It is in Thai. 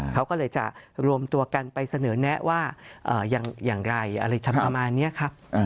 เขาก็เลยจะรวมตัวกันไปเสนอแนะว่าอย่างไรอะไรทำประมาณนี้ครับ